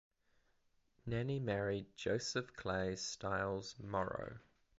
Nannie married Joseph Clay Stiles Morrow.